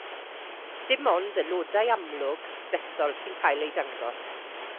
Dim ond aelodau amlwg, dethol sy'n cael eu dangos.